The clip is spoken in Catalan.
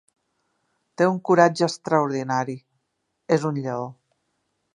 Té un coratge extraordinari: és un lleó.